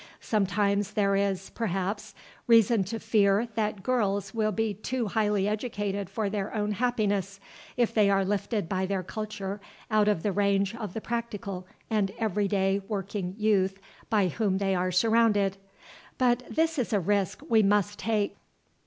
Sometimes there is, perhaps, reason to fear that girls will be too highly educated for their own happiness, if they are lifted by their culture out of the range of the practical and every day working youth by whom they are surrounded. But this is a risk we must take.